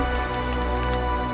tapi ada buahnya